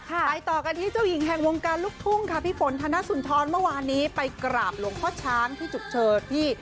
ไปต่อกันที่เจ้าหญิงแห่งวงการลูกทุ่งค่ะพี่ฝนธนสุนทรเมื่อวานนี้ไปกราบหลวงพ่อช้างที่จุกเชิดที่